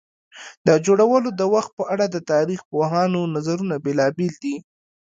د جوړولو د وخت په اړه د تاریخ پوهانو نظرونه بېلابېل دي.